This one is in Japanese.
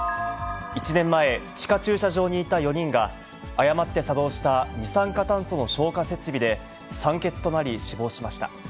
１年前、地下駐車場にいた４人が、誤って作動した二酸化炭素の消火設備で酸欠となり、死亡しました。